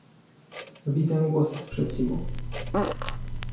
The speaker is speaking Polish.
Widzę głosy sprzeciwu